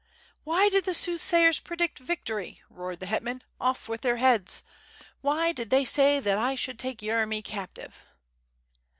"Why did the soothsayers predict victory?" roared the hetman, "off with their heads. Why did they say that I should take Yeremy captive?"